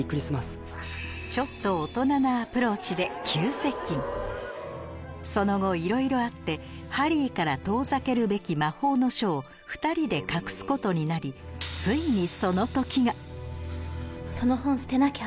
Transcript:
ちょっとその後いろいろあってハリーから遠ざけるべき魔法の書を２人で隠すことになり動じないハリー。